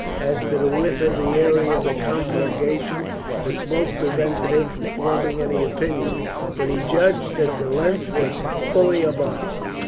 As to the width of the area of the conflagration the smoke prevented him from forming any opinion; but he judged that the length was fully a mile.